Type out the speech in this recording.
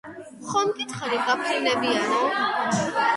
ხომ გითხარი გაფრინდებიანო